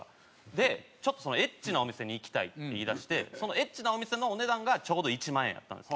でちょっとエッチなお店に行きたいって言いだしてそのエッチなお店のお値段がちょうど１万円やったんです。